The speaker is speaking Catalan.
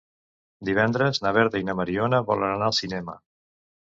Divendres na Berta i na Mariona volen anar al cinema.